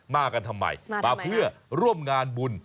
มากันทำไมมาเพื่อร่วมงานบุญ